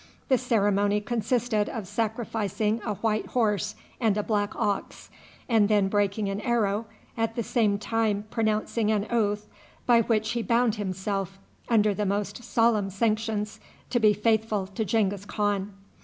The ceremony consisted of sacrificing a white horse and a black ox, and then breaking an arrow, at the same time pronouncing an oath by which he bound himself under the most solemn sanctions to be faithful to Genghis Khan.